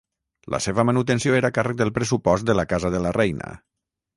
La seva manutenció era a càrrec del pressupost de la casa de la reina.